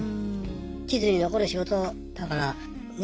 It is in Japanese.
地図に残る仕事だからね。